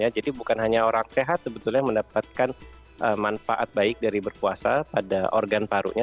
jadi bukan hanya orang sehat sebetulnya mendapatkan manfaat baik dari berpuasa pada organ parunya